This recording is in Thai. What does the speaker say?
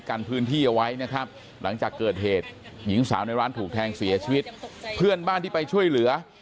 กันพื้นที่เอาไว้นะครับหลังจากเกิดเหตุหญิงสาวในร้านถูกแทงเสียชีวิตเพื่อนบ้านที่ไปช่วยเหลือ